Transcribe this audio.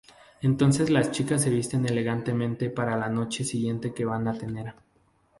Entonces las chicas se visten elegantemente para la noche siguiente que van a tener.